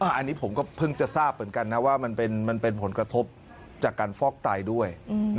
อันนี้ผมก็เพิ่งจะทราบเหมือนกันนะว่ามันเป็นผลกระทบจากการฟอกไตด้วย